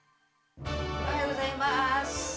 おはようございます。